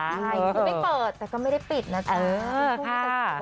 ใช่คือไม่เปิดแต่ก็ไม่ได้ปิดนะจ๊ะ